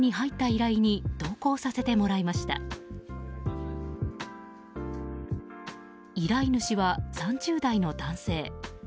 依頼主は３０代の男性。